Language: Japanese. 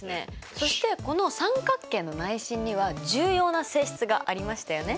そしてこの三角形の内心には重要な性質がありましたよね？